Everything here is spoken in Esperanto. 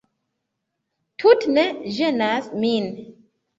Tute ne ĝenas min